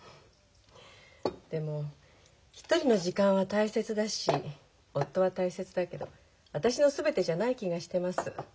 でも一人の時間は大切だし夫は大切だけど私の全てじゃない気がしてます。